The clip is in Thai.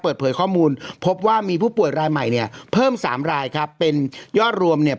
เปิดเผยข้อมูลพบว่ามีผู้ป่วยรายใหม่เนี่ยเพิ่มสามรายครับเป็นยอดรวมเนี่ย